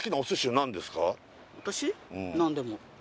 何でも？